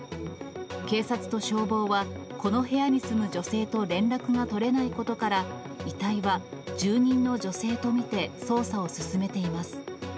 警察と消防は、この部屋に住む女性と連絡が取れないことから、遺体は住人の女性と見て捜査を進めています。